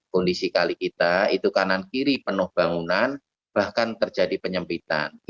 kondisi kali kita itu kanan kiri penuh bangunan bahkan terjadi penyempitan